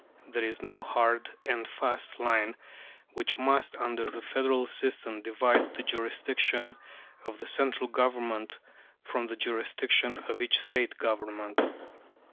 There is no hard and fast line which must, under the federal system, divide the jurisdiction of the central Government from the jurisdiction of each State Government.